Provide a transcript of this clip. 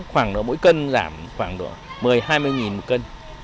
khoảng độ mỗi cân giảm khoảng độ một mươi hai mươi một cân